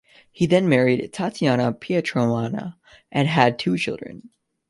He then married Tatiana Pietrowna and had two children.